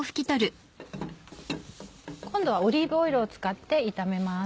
今度はオリーブオイルを使って炒めます。